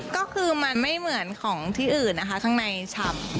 ก็คือมันไม่เหมือนของที่อื่นนะคะข้างในฉ่ำ